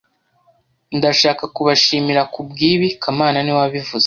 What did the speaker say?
Ndashaka kubashimira kubwibi kamana niwe wabivuze